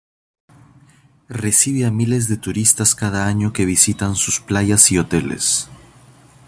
Recibe a miles de turistas cada año que visitan sus playas y hoteles.